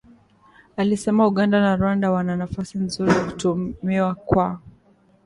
alisema Uganda na Rwanda wana nafasi nzuri ya kutumia kwa